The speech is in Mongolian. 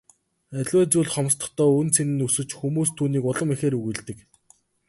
Аливаа зүйл хомсдохдоо үнэ цэн нь өсөж хүмүүс түүнийг улам ихээр үгүйлдэг.